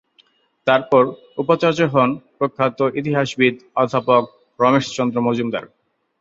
তারপর উপাচার্য হন প্রখ্যাত ইতিহাসবিদ অধ্যাপক রমেশচন্দ্র মজুমদার।